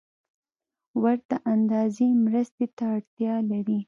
ورته اندازې مرستې ته اړتیا لري